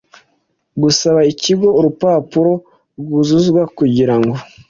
gusaba ikigo urupapuro rwuzuzwa kugira ngo